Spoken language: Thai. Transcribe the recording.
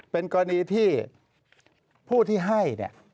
เป็นกรณีที่ผู้ที่ให้